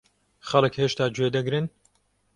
خەڵک هێشتا گوێ دەگرن؟